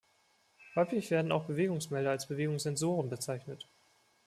Häufig werden auch Bewegungsmelder als Bewegungssensoren bezeichnet.